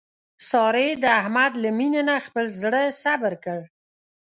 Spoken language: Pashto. سارې د احمد له مینې نه خپل زړه صبر کړ.